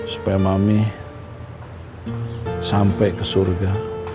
supaya mami sampai ke surga